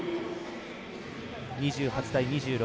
２８対２６